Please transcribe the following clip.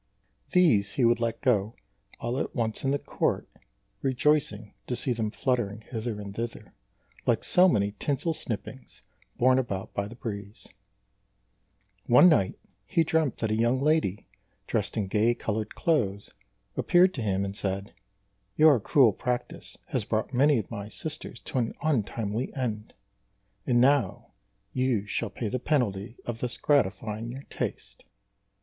These he would let go all at once in the court, rejoicing to see them fluttering hither and thither, like so many tinsel snippings borne about by the breeze. One night he dreamt that a young lady, dressed in gay coloured clothes, appeared to him and said, "Your cruel practice has brought many of my sisters to an untimely end, and now you shall pay the penalty of thus gratifying your tastes."